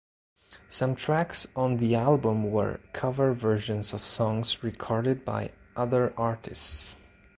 Some tracks on the album were cover versions of songs recorded by other artists.